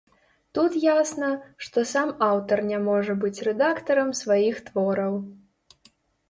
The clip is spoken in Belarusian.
Тут ясна, што сам аўтар не можа быць рэдактарам сваіх твораў.